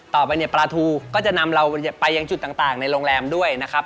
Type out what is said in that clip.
ต่อไปเนี่ยปลาทูก็จะนำเราไปยังจุดต่างในโรงแรมด้วยนะครับ